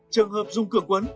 trường hợp dùng cửa quấn